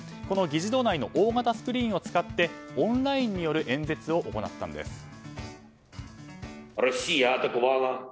この議事堂内の大型スクリーンを使ってオンラインによる演説を行ったんです。